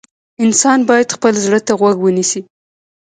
انسان باید خپل زړه ته غوږ ونیسي.